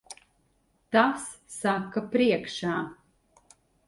Tas saka priekšā.